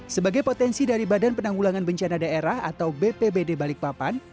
sebagai potensi dari badan penanggulangan bencana daerah atau bpbd balikpapan